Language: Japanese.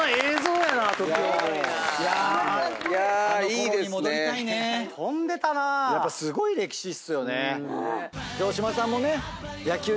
やっぱすごい歴史っすよね。